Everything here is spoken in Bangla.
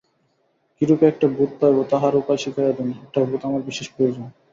কিরূপে একটি ভূত পাইব তাহার উপায় শিখাইয়া দিন, একটি ভূত আমার বিশেষ প্রয়োজন।